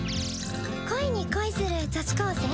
恋に恋する女子高生？